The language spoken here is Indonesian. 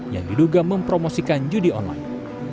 yang diduga mempromosikan judi online